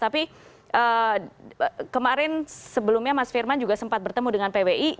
tapi kemarin sebelumnya mas firman juga sempat bertemu dengan pbi